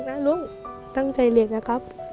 รักนะลูกตั้งใจเรียนนะครับ